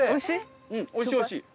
うんおいしいおいしい。